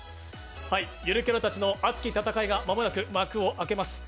ゆるキャラたちの熱き戦いが間もなく幕を開けます。